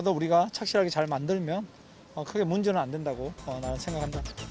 tapi kalau kita bisa membuatnya dengan baik itu tidak akan menjadi masalah